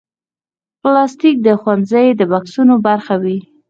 پلاستيک د ښوونځي د بکسونو برخه وي.